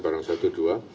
barang satu dua